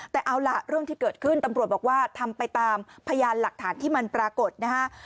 แต่เอาล่ะเรื่องที่เกิดขึ้นตำรวจบอกว่าทำไปตามพยานหลักฐานที่มันปรากฏนะฮะ